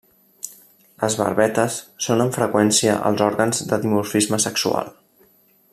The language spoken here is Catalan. Les barbetes són amb freqüència els òrgans de dimorfisme sexual.